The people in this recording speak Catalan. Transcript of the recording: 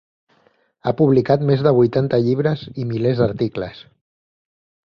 Ha publicat més de vuitanta llibres i milers d'articles.